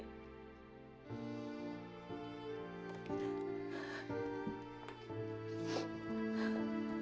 kaka akan buktikan semuanya li